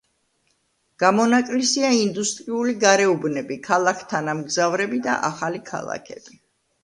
გამონაკლისია ინდუსტრიული გარეუბნები, ქალაქ-თანამგზავრები და ახალი ქალაქები.